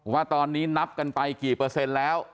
ว่าตอนนี้นับกันไปกี่เปอร์เซ็นต์แล้ว